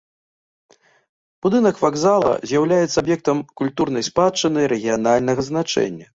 Будынак вакзала з'яўляецца аб'ектам культурнай спадчыны рэгіянальнага значэння.